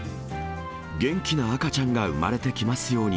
元気な赤ちゃんが産まれてきますように。